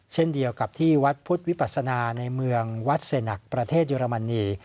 เช่นเดียวกับที่วัดพุทธวิปัสนาในเมืองวัดเสนักประเทศเยอรมนี